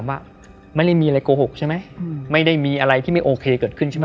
ว่าไม่ได้มีอะไรโกหกใช่ไหมไม่ได้มีอะไรที่ไม่โอเคเกิดขึ้นใช่ไหม